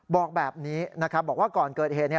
บอกแบบนี้นะครับบอกว่าก่อนเกิดเหตุ